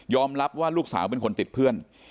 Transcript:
รับว่าลูกสาวเป็นคนติดเพื่อน